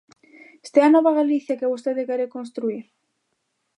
¿Esta é a nova Galicia que vostede quere construír?